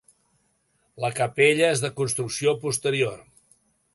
La capella és de construcció posterior.